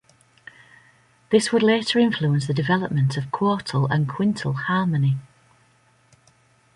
This would later influence the development of quartal and quintal harmony.